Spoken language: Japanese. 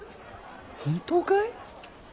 本当かい？